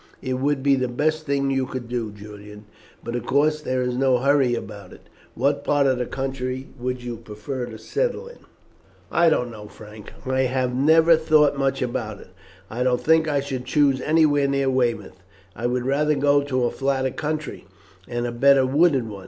"It would be the best thing you could do, Julian, but, of course, there is no hurry about it. What part of the country would you prefer to settle in?" "I don't know, Frank, I have never thought much about it. I don't think I should choose anywhere near Weymouth, and I would rather go to a flatter country, and a better wooded one.